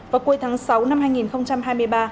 vào cuối tháng sáu năm hai nghìn hai mươi ba